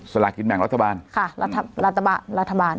สลากกินแม่งรัฐบาลค่ะรัฐบาล